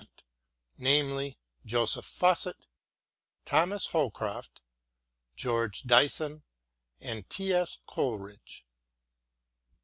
nt, namely, Joseph Fawcet, Thomas Holcroft, George Dyson, and S. T. Coleridge.